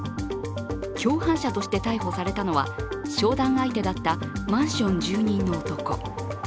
共犯者として逮捕されたのは商談相手だったマンション住人の男。